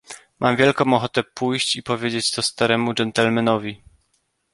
"Mam wielką ochotę pójść i powiedzieć to staremu gentlemanowi."